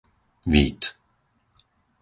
Vít